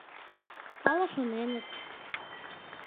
Ала шоненыт: